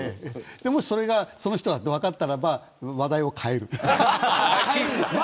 もし、その人だと分かったら話題を変える。